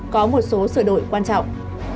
có một số sửa đổi quan trọng